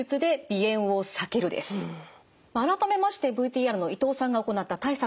改めましてＶＴＲの伊藤さんが行った対策ご覧ください。